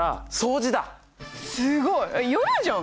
すごい！やるじゃん！